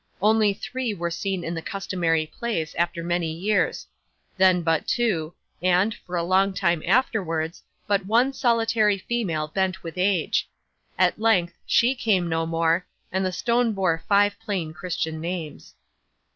Only three were seen in the customary place, after many years; then but two, and, for a long time afterwards, but one solitary female bent with age. At length she came no more, and the stone bore five plain Christian names.